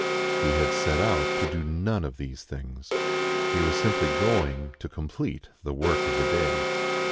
He had set out to do none of these things. He was simply going to complete the work of the day.